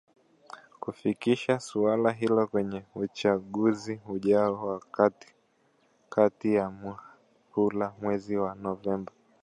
kufikisha suala hilo kwenye uchaguzi ujao wa kati kati ya mhula mwezi wa Novemba